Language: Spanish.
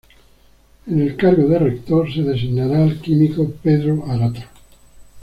En el cargo de Rector, se designará al químico Pedro Arata.